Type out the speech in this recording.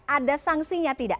ada sangsinya tidak